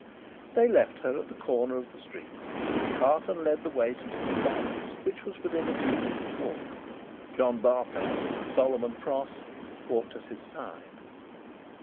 They left her at the corner of the street, and Carton led the way to Mr. Lorry's, which was within a few minutes' walk. John Barsad, or Solomon Pross, walked at his side.